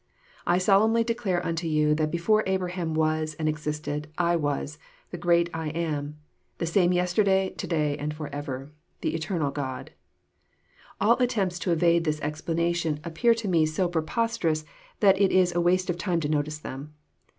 *' I solemnly declare unto you that before Abraham was and existed I was, the great I AM, the same yesterday, to day, and forever,— the eternal God." All attempts to evade this explanation appear to me so preposterous that it is waste of time to notice them.